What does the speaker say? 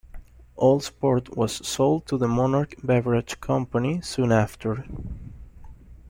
All Sport was sold to the Monarch Beverage Company soon after.